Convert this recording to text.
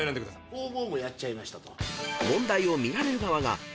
「弘法もやっちゃいました」